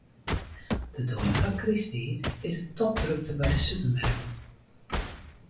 De dei foar krysttiid is it topdrokte by de supermerken.